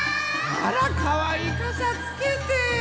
あらかわいいかさつけて！